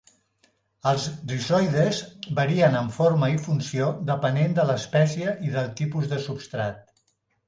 Els rizoides varien en forma i funció depenent de l'espècie i del tipus de substrat.